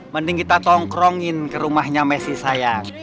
mending kita tongkrongin ke rumahnya messi sayang